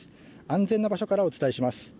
安全な場所からお伝えします。